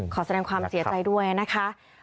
ขอแสดงความเสียใจด้วยนะคะ